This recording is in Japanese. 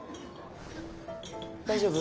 大丈夫？